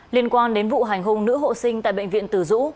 liên quan đến vụ hành hùng nữ hộ sinh tại bệnh viện từ dũ